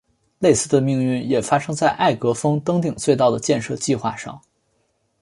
类似的命运也发生在艾格峰登顶隧道的建设计画上。